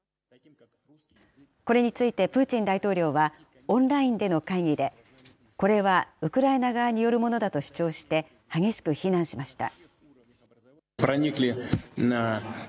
これについてプーチン大統領は、オンラインでの会議で、これはウクライナ側によるものだと主張して、激しく非難しました。